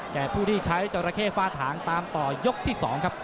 แก่ผู้ที่ใช้เจ้าระเคฟาทางตามต่อยกที่๒ครับ